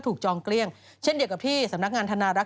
จองเกลี้ยงเช่นเดียวกับที่สำนักงานธนารักษ